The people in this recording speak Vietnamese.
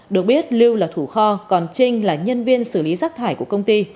được biết lưu là thủ kho còn trinh là nhân viên xử lý rác thải của công ty